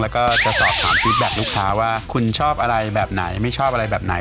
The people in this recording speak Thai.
แล้วก็จะสอบถามฟิตแบตลูกค้าว่าคุณชอบอะไรแบบไหนไม่ชอบอะไรแบบไหน